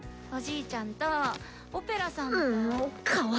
おじいちゃんとオペラさんと。